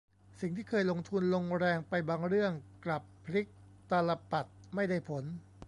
สิ่งที่เคยลงทุนลงแรงไปบางเรื่องกลับพลิกตาลปัตรไม่ได้ผล